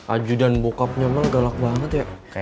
aju dan bokapnya emang galak banget ya